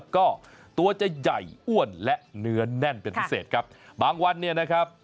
ก็ตัวจะใหญ่อ้วนและเนื้อแน่นเป็นพิเศษครับบางวันเนี่ยนะครับ